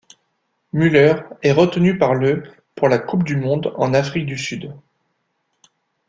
Müller est retenu par Löw pour la Coupe du monde en Afrique du Sud.